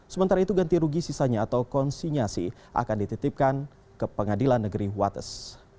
sementara itu ganti rugi sisanya atau konsinyasi akan dititipkan ke pengadilan negeri wates